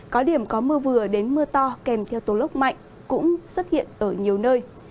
có điểm có mưa vừa đến mưa to kèm theo tố lốc mạnh cũng xuất hiện ở nhiều nơi